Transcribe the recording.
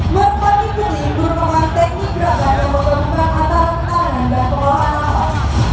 merpadi keti berpenganteng di gerakan yang memotongkan antara tangan dan kepala tangan